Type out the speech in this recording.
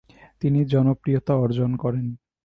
তিনি জনপ্রিয়তা অর্জন করেন ।